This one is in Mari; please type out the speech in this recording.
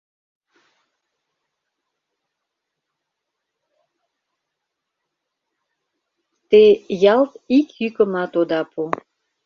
Те ялт ик йӱкымат ода пу.